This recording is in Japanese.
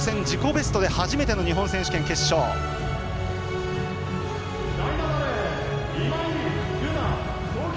ベストで初めての日本選手権決勝、横田。